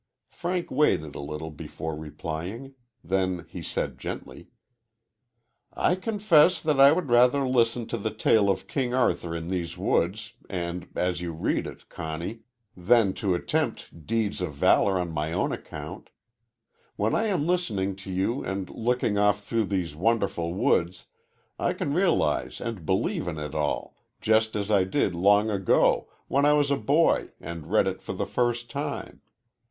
Frank waited a little before replying. Then he said gently: "I confess that I would rather listen to the tale of King Arthur in these woods, and as you read it, Conny, than to attempt deeds of valor on my own account. When I am listening to you and looking off through these wonderful woods I can realize and believe in it all, just as I did long ago, when I was a boy and read it for the first time.